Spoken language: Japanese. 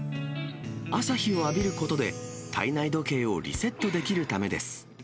朝日を浴びることで、体内時計をリセットできるためです。